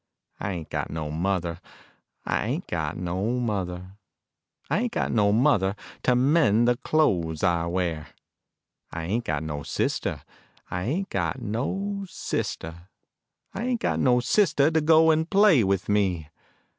I ain't got no mother, I ain't got no mother, I ain't got no mother To mend the clothes I wear. I ain't got no sister, I ain't got no sister, I ain't got no sister To go and play with me.